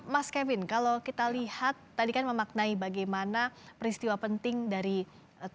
mas kevin kalau kita lihat tadi kan memaknai bagaimana peristiwa penting dari tni